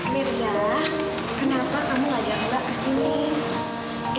mirza kenapa kamu ngajak mbak ke sini